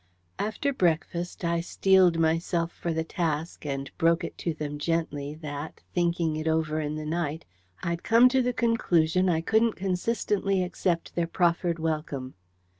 After breakfast, I steeled myself for the task, and broke it to them gently that, thinking it over in the night, I'd come to the conclusion I couldn't consistently accept their proffered welcome.